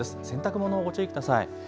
洗濯物、ご注意ください。